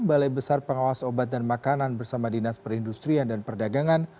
balai besar pengawas obat dan makanan bersama dinas perindustrian dan perdagangan